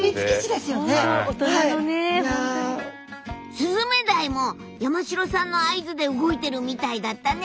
スズメダイも山城さんの合図で動いてるみたいだったね。